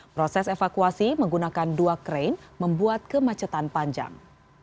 proses evakuasi menggunakan dua krain membuat kemacetan panjang